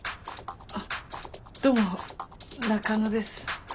あどうも中野です。